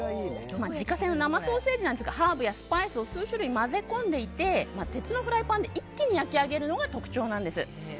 自家製の生ソーセージはハーブやスパイスを数種類混ぜ込んでいて鉄のフライパンで一気に焼き上げるのが特徴なんです。